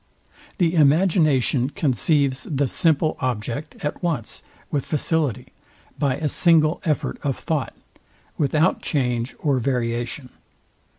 The imagination conceives the simple object at once, with facility, by a single effort of thought, without change or variation.